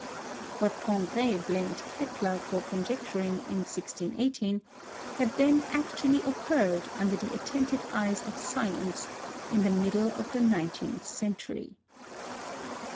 what Pingré blamed Kepler for conjecturing in 1618 had then actually occurred under the attentive eyes of science in the middle of the nineteenth century!